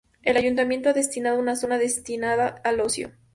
El ayuntamiento ha destinado una zona destinada al ocio.